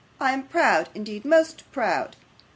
I am proud, indeed most proud.